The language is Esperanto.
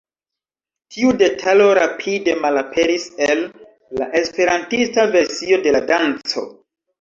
Tiu detalo rapide malaperis el la esperantista versio de la danco.